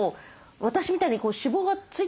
私みたいに脂肪がついてる方